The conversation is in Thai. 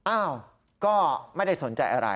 อ้าวก็ไม่ได้สนใจอะไร